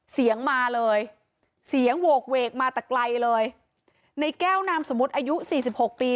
เสียงมาเลยเสียงโหกเวกมาแต่ไกลเลยในแก้วนามสมมุติอายุสี่สิบหกปี